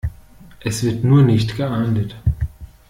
Es wird nur nicht geahndet.